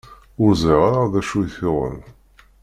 Ur ẓriɣ ara d acu i t-yuɣen.